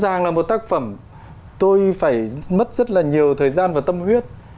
rõ ràng là một tác phẩm tôi phải mất rất là nhiều thời gian và tâm huyết